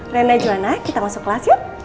rena juwana kita masuk kelas yuk